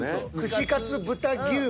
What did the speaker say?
串カツ豚牛。